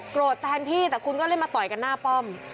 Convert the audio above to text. แทนพี่แต่คุณก็เลยมาต่อยกันหน้าป้อม